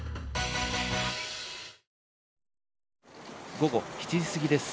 午後７時すぎです。